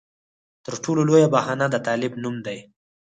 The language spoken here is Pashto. تر ټولو لویه بهانه د طالب نوم دی.